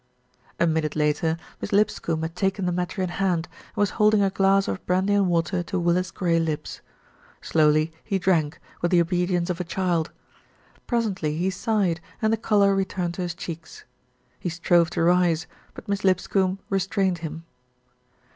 A minute later, Miss Lipscombe had taken the mat ter in hand, and was holding a glass of brandy and water to Willis' grey lips. Slowly he drank, with the obedience of a child. Presently he sighed and the colour returned to his cheeks. He strove to rise; but Miss Lipscombe restrained him.